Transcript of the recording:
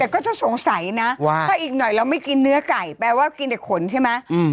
แต่ก็จะสงสัยนะว่าถ้าอีกหน่อยเราไม่กินเนื้อไก่แปลว่ากินแต่ขนใช่ไหม